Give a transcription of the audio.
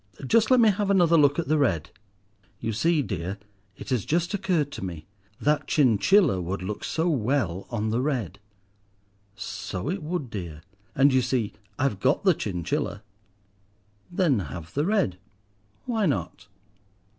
Just let me have another look at the red. You see, dear, it has just occurred to me—that chinchilla would look so well on the red!" "So it would, dear!" "And, you see, I've got the chinchilla." "Then have the red. Why not?"